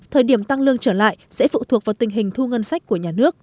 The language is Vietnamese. thời điểm tăng lương trở lại sẽ phụ thuộc vào tình hình thu ngân sách của nhà nước